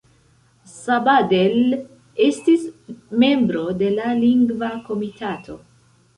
Sabadell estis membro de la Lingva Komitato.